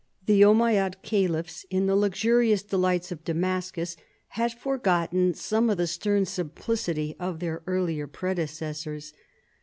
The Ommayad caliphs in the luxurious delights of Damascus had forgotten some of the stern simplicity of their earlier predecessors.